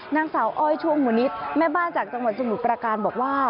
นางสาวอ้อยช่วงหัวนิดแม่บ้านจากจังหวัดสมุทรประการบอกว่า